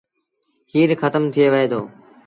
کير کتم ٿئي وهي دو۔